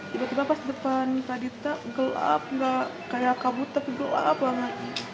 tiba tiba pas depan tadi gelap nggak kayak kabut tapi gelap banget